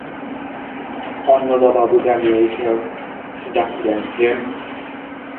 অন্নদাবাবু জাগিয়া উঠিয়া ডাকিলেন, হেম!